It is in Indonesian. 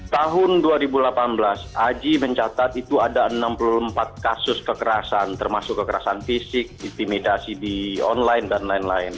tahun dua ribu delapan belas aji mencatat itu ada enam puluh empat kasus kekerasan termasuk kekerasan fisik intimidasi di online dan lain lain